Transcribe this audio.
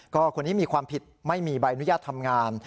ก็คนนี้มีความผิดไม่มีใบอนุญาตทำงาน